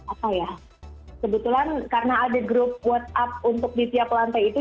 apa ya kebetulan karena ada grup whatsapp untuk di tiap lantai itu